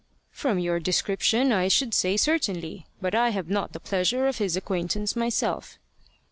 "From your description I should say certainly; but I have not the pleasure of his acquaintance myself."